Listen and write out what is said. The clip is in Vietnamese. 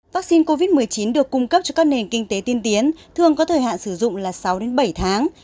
vaccine covid một mươi chín được cung cấp cho các nền kinh tế tiên tiến thường có thời hạn sử dụng là sáu bảy tháng